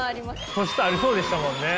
素質ありそうでしたもんね。